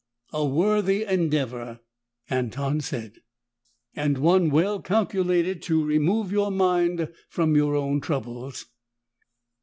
"A worthy endeavor," Anton said, "and one well calculated to remove your mind from your own troubles."